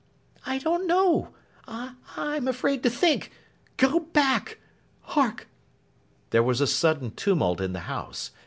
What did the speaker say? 'I don't know. I—I am afraid to think. Go back. Hark!' There was a sudden tumult in the house.